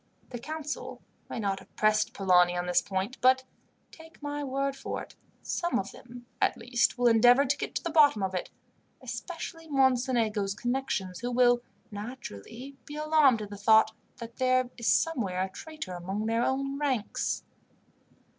The council may not have pressed Polani on this point, but, take my word for it, some of them, at least, will endeavour to get to the bottom of it, especially Mocenigo's connections, who will naturally be alarmed at the thought that there is somewhere a traitor among their own ranks.